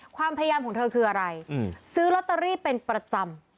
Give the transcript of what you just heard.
ความพยายามของเธอคืออะไรซื้อลอตเตอรี่เป็นประจำ